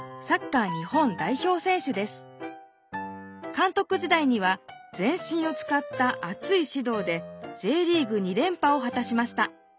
監督時代には全身をつかったあついしどうでＪリーグ２連覇をはたしました。